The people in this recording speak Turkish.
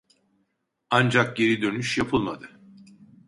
Ancak geri dönüş yapılmadı